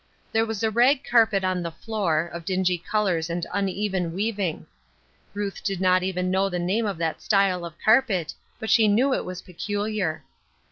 There was a rag carpet on the floor, of dingy colors and uneven weaving. Ruth did not even know the name of that style of carpet, but she knew it was peculiar.